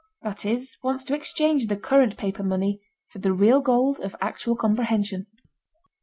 —that is, wants to exchange the current paper money for the real gold of actual comprehension.